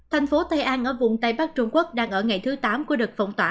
thành phố tây an ở vùng tây bắc trung quốc đang ở ngày thứ tám của đợt phong tỏa